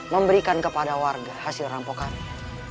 memberikan kepada warga hasil rampokannya